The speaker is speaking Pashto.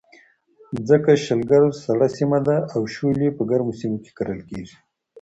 ځکه شلګر سړه سیمه ده او شولې په ګرمو سیمو کې کرلې کېږي.